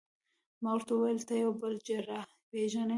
ما ورته وویل: ته یو بل جراح پېژنې؟